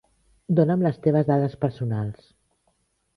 Donam les teves dades personals.